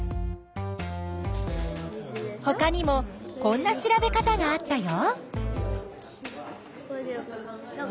ほかにもこんな調べ方があったよ。